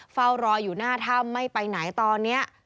เฝ้ารออยู่หน้าถ้ำไม่ไปไหนตอนนี้